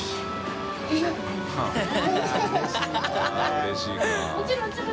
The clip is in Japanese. うれしいか。